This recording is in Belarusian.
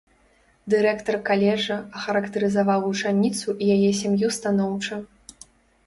Дырэктар каледжа ахарактарызаваў вучаніцу і яе сям'ю станоўча.